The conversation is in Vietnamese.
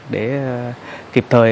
để kịp thời gian